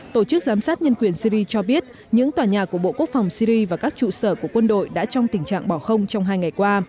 tổ chức giám sát nhân quyền syri cho biết những tòa nhà của bộ quốc phòng syri và các trụ sở của quân đội đã trong tình trạng bỏ không trong hai ngày qua